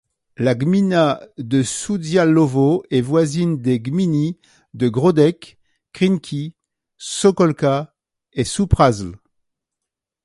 La gmina de Szudziałowo est voisine des gminy de Gródek, Krynki, Sokółka et Supraśl.